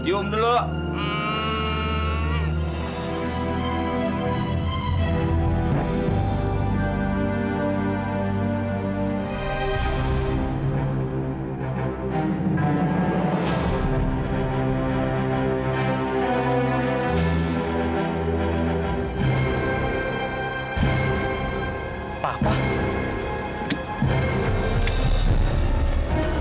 cium dulu papa